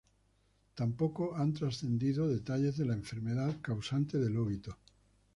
Tampoco han trascendido detalles de la enfermedad causante del óbito.